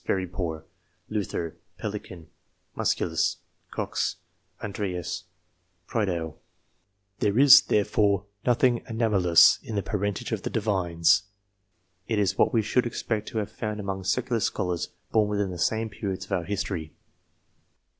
Very poor. Luther, Pellican, Musculus, Cox, An dreas, Prideaux. There is, therefore, nothing anomalous in the parentage of the Divines ; it is what we should expect to have found among secular scholars, born within the same periods of our history.